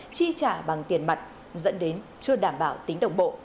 chi trả bằng tiền mặt dẫn đến chưa đảm bảo tính đồng bộ